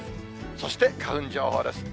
そして花粉情報です。